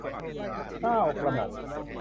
เกล้ากระหม่อม